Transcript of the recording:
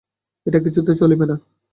এটা কিছুতেই চলিবে না।